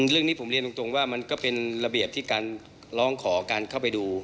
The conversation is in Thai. เรื่องนี้ผมเรียนตรงว่ามันก็เป็นระเบียบที่การร้องขอการเข้าไปดู